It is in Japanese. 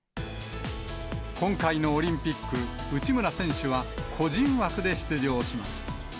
今回のオリンピック、内村選手は、個人枠で出場します。